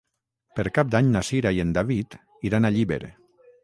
Per Cap d'Any na Cira i en David iran a Llíber.